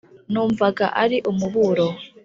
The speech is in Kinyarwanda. numvaga ari umuburo